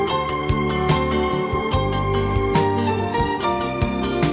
hẹn gặp lại